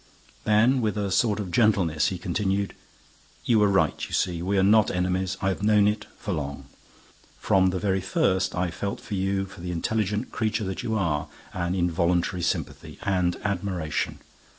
Then, with a sort of gentleness, he continued, "You were right, you see: we are not enemies. I have known it for long. From the very first, I felt for you, for the intelligent creature that you are, an involuntary sympathy—and admiration.